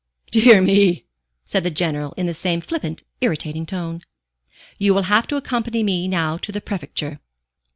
"Dear me!" said the General in the same flippant, irritating tone. "You will have to accompany me now to the Prefecture."